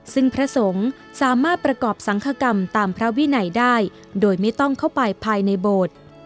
ซึ่งพระสงฆ์สามารถประกอบสังคกรรมตามพระวินัยได้โดยไม่ต้องเข้าไปภายในโบสถ์